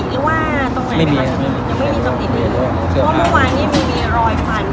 เพราะว่าเมื่อวานยังไม่มีรอยฟัน